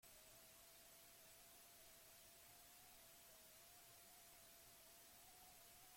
Gurasoen aukeratzeko eskubideari lehentasuna osoa eman behar zaio.